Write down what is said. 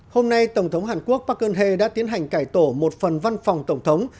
hôm nay tổng thống hàn quốc park geun hye đã tiến hành cải tổ một phần văn phòng tổng thống